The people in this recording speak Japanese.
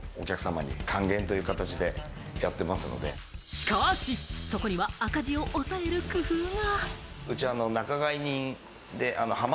しかし、そこには赤字を抑える工夫が。